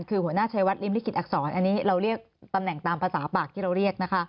คือหัวหน้าชายวัดริมลิขิตอักษรอันนี้เราเรียกตำแหน่งตามภาษาปาก